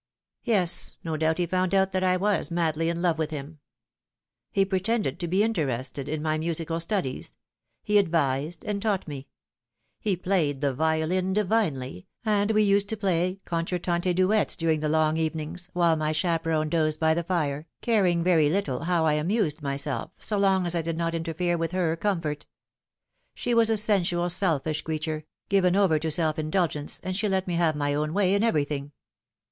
"Yes, no doubt he found out that I was madly in love with him. He pretended to be interested in my musical studies. He advised and taught me. He played the violin divinely, and we used to play concertante duets during the long evenings, while my chaperon dozed by the fire, caring very little how I amused myself, so long as I did not interfere with her comfort. She was a sensual, selfish creature, given over to self indulgence, and she let me have my own way in everything.